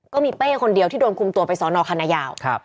เป้คนเดียวที่โดนคุมตัวไปสอนอคณะยาว